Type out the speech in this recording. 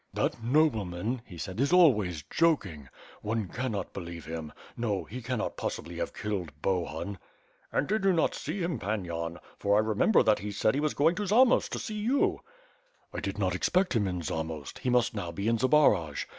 "That nobleman," he said, "is always joking. One cannot believe him; no, no, he cannot possibly have killed Bohun." "And did you not see him. Pan Yan? For I remember that he said he was going to Zamost to see you." "I did not expect him in Zamost, he must now be in Zbaraj.